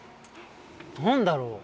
何だろう。